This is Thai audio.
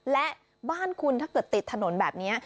และบ้านคุณถ้าเกิดติดถนนแบบนี้